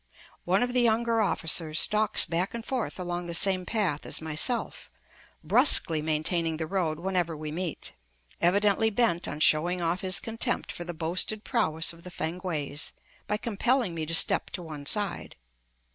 One of the younger officers stalks back and forth along the same path as myself, brusquely maintaining the road whenever we meet, evidently bent on showing off his contempt for the boasted prowess of the Fankwaes, by compelling me to step to one side.